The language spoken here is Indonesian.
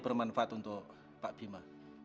bermanfaat untuk pak bima